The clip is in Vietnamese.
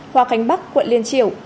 hoa cánh bắc quận liên triều